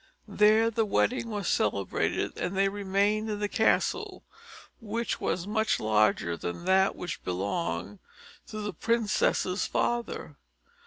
There the wedding was celebrated, and they remained in the castle, which was much larger than that which belonged to the princess's father.